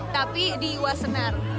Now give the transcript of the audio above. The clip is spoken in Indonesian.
tapi di wasenar